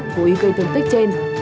cố ý gây thương tích trên